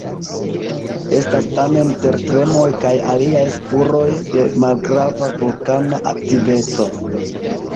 Estas tamen tertremoj kaj aliaj spuroj de malgrava vulkana aktiveco.